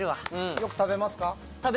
よく食べますか？